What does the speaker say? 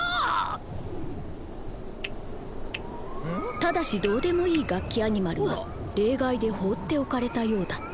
ただしどうでもいいガッキアニマルは例外で放っておかれたようだった。